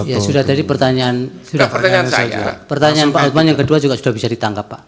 ya sudah tadi pertanyaan saya pertanyaan pak hotman yang kedua juga sudah bisa ditangkap pak